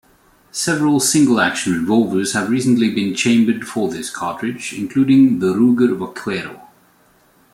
Several single-action revolvers have recently been chambered for this cartridge, including the Ruger Vaquero.